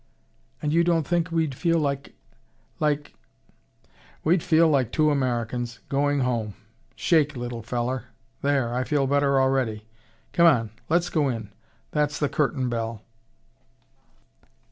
"And you don't think we'd feel like like " "We'd feel like two Americans, going home. Shake, little feller! There, I feel better already. Come on, let's go in; that's the curtain bell."